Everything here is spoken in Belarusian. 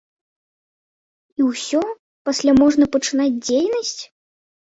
І ўсё, пасля можна пачынаць дзейнасць?